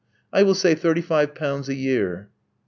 I will say thirty five pounds a year."